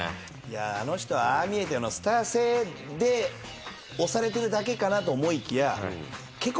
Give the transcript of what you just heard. あの人ああ見えてスター性で押されてるだけかなと思いきや。